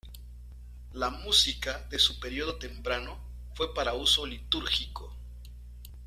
La música de su período temprano fue para uso litúrgico.